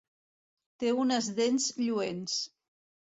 Té unes dents lluents.